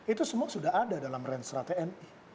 itu semua sudah ada dalam rensra tni